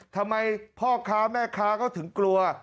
ทำไมพ่อค้าแม่ค้าก็ถึงกลัว